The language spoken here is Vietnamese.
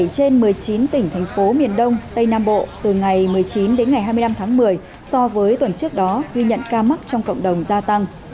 bảy trên một mươi chín tỉnh thành phố miền đông tây nam bộ từ ngày một mươi chín đến ngày hai mươi năm tháng một mươi so với tuần trước đó ghi nhận ca mắc trong cộng đồng gia tăng